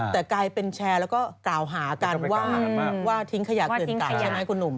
แต่กลายเป็นแชร์แล้วก็กล่าวหากันว่าทิ้งขยะเกินไก่ใช่ไหมคุณหนุ่ม